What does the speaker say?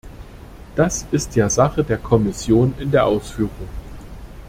Das ist ja Sache der Kommission in der Ausführung.